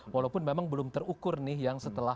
walaupun memang belum terukur nih yang setelah